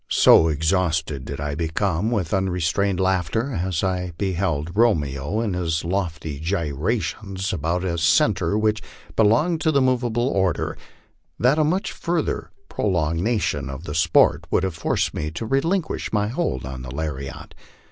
So exhausted did I become with unrestrained laughter, as I beheld Romeo in his lofty gyrations about a centre which belonged to the movable order, that a much further prolongation of the sport would have forced me to relinquish my hold on the lariat.